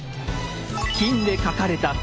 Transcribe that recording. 金で描かれた舟。